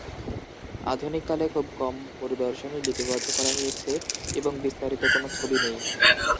আধুনিককালে খুব কম পরিদর্শনই লিপিবদ্ধ করা হয়েছে এবং বিস্তারিত কোনো ছবি নেই।